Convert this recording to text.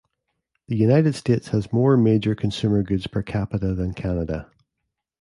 The United States has more major consumer goods per capita than Canada.